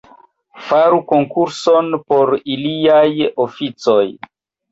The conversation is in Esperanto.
Faru konkurson por iliaj oficoj.